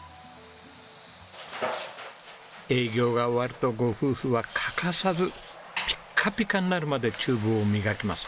営業が終わるとご夫婦は欠かさずピカピカになるまで厨房を磨きます。